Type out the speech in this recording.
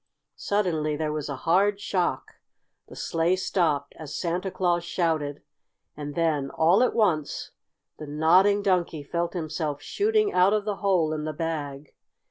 Suddenly there was a hard shock. The sleigh stopped as Santa Claus shouted, and then, all at once, the Nodding Donkey felt himself shooting out of the hole in the bag.